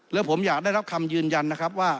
แล้วผมอยากได้รับคำยืนยันนะครับว่า